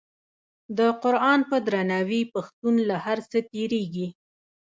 د قران په درناوي پښتون له هر څه تیریږي.